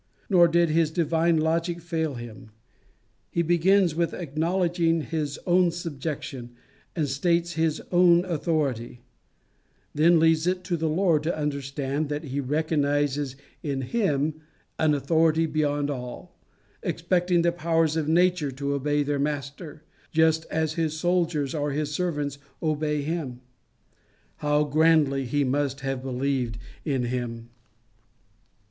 Nor did his divine logic fail him. He begins with acknowledging his own subjection, and states his own authority; then leaves it to our Lord to understand that he recognizes in him an authority beyond all, expecting the powers of nature to obey their Master, just as his soldiers or his servants obey him. How grandly he must have believed in him!